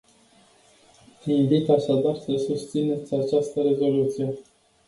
Vă invit așadar să susțineți această rezoluție.